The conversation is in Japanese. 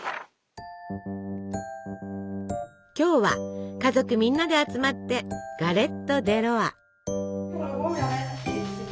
今日は家族みんなで集まってガレット・デ・ロワ。